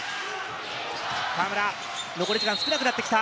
河村、残り時間少なくなってきた。